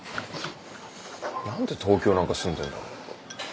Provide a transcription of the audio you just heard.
何で東京なんか住んでんだろう。